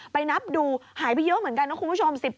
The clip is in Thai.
นับดูหายไปเยอะเหมือนกันนะคุณผู้ชม